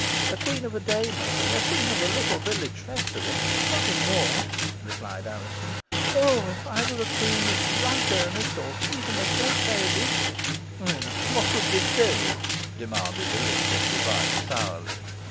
"A queen of a day, mother; a queen of a little village festival; nothing more," replied Alizon. "Oh, if I were a queen in right earnest, or even a great lady " "Whot would yo do?" demanded Elizabeth Device, sourly.